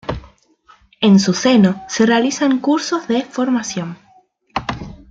En su seno se realizan cursos de formación.